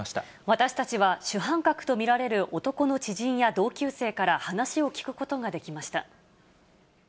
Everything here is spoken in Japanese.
私たちは主犯格と見られる男の知人や同級生から話を聞くことができました。